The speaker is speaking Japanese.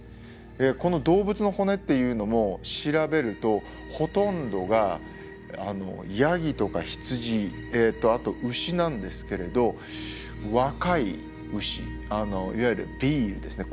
この動物の骨っていうのも調べるとほとんどがヤギとか羊あと牛なんですけれど若い牛いわゆるヴィールですね